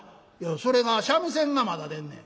「それが三味線がまだでんねん」。